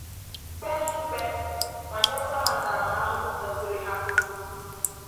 kpee ha ikpe ma nyekwa ha ntaramahụhụ kwesiri ha.